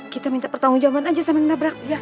kita minta pertanggung jawaban aja sama yang menabrak